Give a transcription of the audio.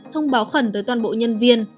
thông báo khẩn tới toàn bộ nhân viên